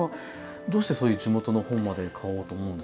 どうしてそういう地元の本まで買おうと思うんですか？